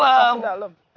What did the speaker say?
kesono ke dalam